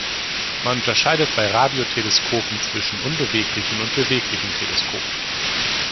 Man unterscheidet bei Radioteleskopen zwischen unbeweglichen und beweglichen Teleskopen.